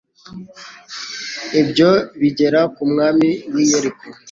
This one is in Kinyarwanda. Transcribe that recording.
ibyo bigera ku mwami w'i yeriko